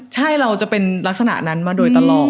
ใช่เราจะเป็นลักษณะนั้นมาโดยตลอด